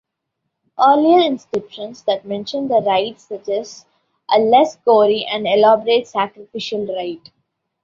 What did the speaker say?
Earlier inscriptions that mention the rite suggest a less gory and elaborate sacrificial rite.